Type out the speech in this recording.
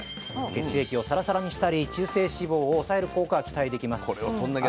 血液をサラサラにしたり中性脂肪を抑える効果が期待できます。